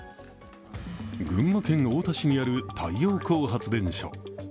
群馬県太田市にある太陽光発電所。